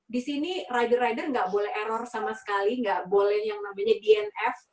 di sini rider rider nggak boleh error sama sekali nggak boleh yang namanya dnf